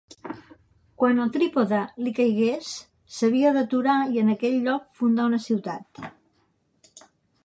Quan el trípode li caigués, s'havia d'aturar i en aquell lloc fundar una ciutat.